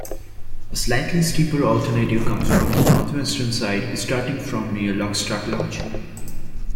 A slightly steeper alternative comes from the northwestern side, starting from near Lochstack Lodge.